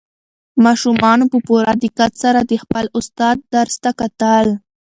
ماشومانو په پوره دقت سره د خپل استاد درس ته کتل.